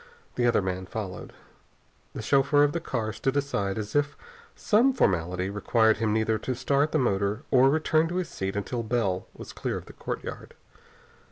The other man followed. The chauffeur of the car stood aside as if some formality required him neither to start the motor or return to his seat until Bell was clear of the courtyard.